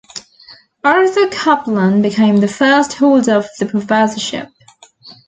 Arthur Caplan became the first holder of the professorship.